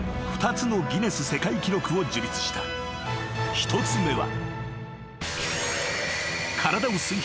［１つ目は］